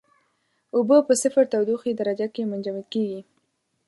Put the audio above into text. اوبه په صفر تودوخې درجه کې منجمد کیږي.